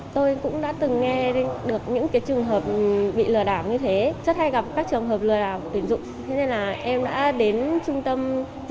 tôi cũng đã từng nghe được những cái trường hợp bị lừa đảo như thế rất hay gặp các trường hợp lừa đảo của tuyển dụng